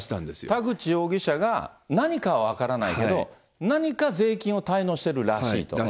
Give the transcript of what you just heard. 田口容疑者が、何か分からないけど、何か税金を滞納してるららしいと。